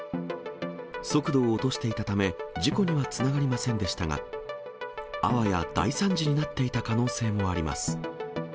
速度を落としていたため事故にはつながりませんでしたが、あわや大惨事になっていた可能性もあります。